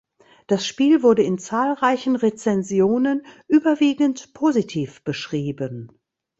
Das Spiel wurde in zahlreichen Rezensionen überwiegend positiv beschrieben.